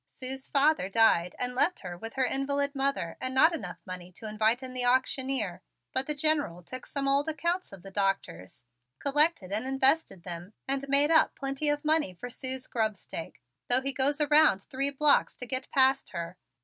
Sue's father died and left her with her invalid mother and not enough money to invite in the auctioneer, but the General took some old accounts of the Doctor's, collected and invested them and made up plenty of money for Sue's grubstake, though he goes around three blocks to get past her.